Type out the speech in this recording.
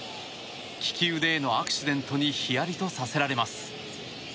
利き腕へのアクシデントにヒヤリとさせられます。